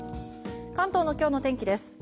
関東の今日の天気です。